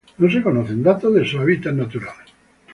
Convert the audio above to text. No se conocen datos de su hábitat natural.